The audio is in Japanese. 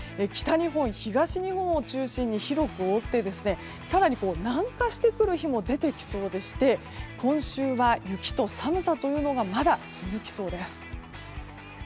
北日本、東日本を中心に広く覆って更に南下してくる日も出てきそうでして今週は雪と寒さというのがまだ続きそうです。